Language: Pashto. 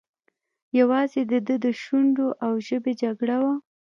یوازې د ده د شونډو او ژبې جګړه وه.